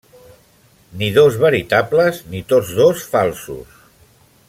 Ni dos veritables, ni tots dos falsos.